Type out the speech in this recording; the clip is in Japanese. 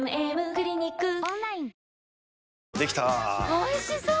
おいしそう！